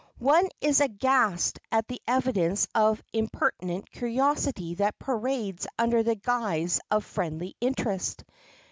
One is aghast at the evidence of impertinent curiosity that parades under the guise of friendly interest.